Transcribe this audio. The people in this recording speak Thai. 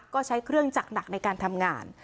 ก็ใช้เครื่องจักรหนักในการทำงาน